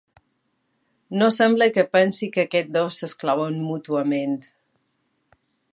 No sembla que pensi que aquests dos s'exclouen mútuament.